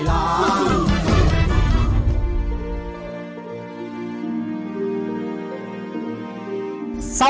ร้องได้ให้ร้าง